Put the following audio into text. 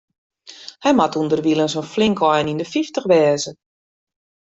Hy moat ûnderwilens in flink ein yn de fyftich wêze.